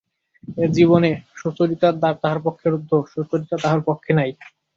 এ জীবনে সুচরিতার দ্বার তাহার পক্ষে রুদ্ধ, সুচরিতা তাহার পক্ষে নাই।